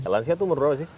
lansia itu umur berapa sih